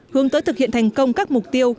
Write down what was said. hướng tới thực hiện thành công các mục tiêu